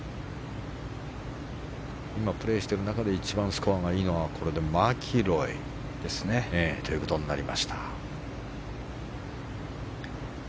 今、プレーしている中で一番スコアがいいのはこれでマキロイということになりました。